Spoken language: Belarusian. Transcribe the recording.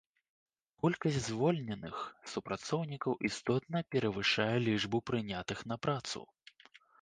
Колькасць звольненых супрацоўнікаў істотна перавышае лічбу прынятых на працу.